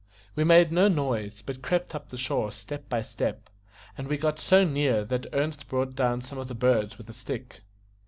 We made no noise, but crept up the shore step by step, and we got so near that Ernest brought down some of the birds with a stick.